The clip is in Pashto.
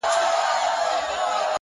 د تهمتونو سنګسارونو شور ماشور تر کلي!!